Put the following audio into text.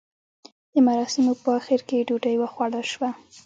د مراسیمو په اخر کې ډوډۍ وخوړل شوه.